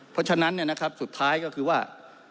เพราะฉะนั้นสุดท้ายก็คือว่า